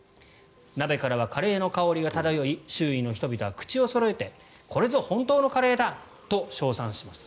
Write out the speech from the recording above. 鍋からはカレーの香りが漂い周囲の人たちは口をそろえてこれぞ本当のカレーだ！と称賛しました。